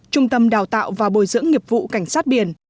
trung tâm đào tạo và bồi dưỡng nghiệp vụ cảnh sát biển